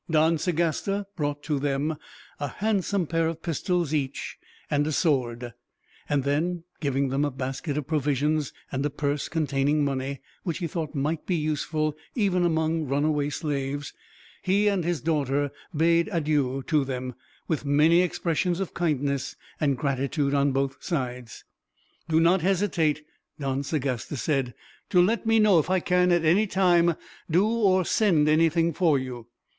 Don Sagasta brought to them a handsome pair of pistols, each, and a sword; and then, giving them a basket of provisions and a purse containing money, which he thought might be useful even among runaway slaves, he and his daughter bade adieu to them, with many expressions of kindness and gratitude, on both sides. "Do not hesitate," Don Sagasta said, "to let me know if I can, at any time, do or send anything for you.